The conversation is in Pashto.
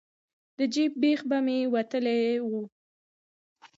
د جیب بیخ به مې وتلی و.